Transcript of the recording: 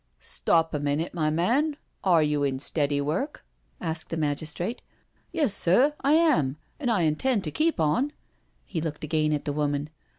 " Stop a tninute, my man. Are you in steady Work?'* asked the magistrate. " Yes, sir, I am, and I intend to keep so." He looked again at the woman.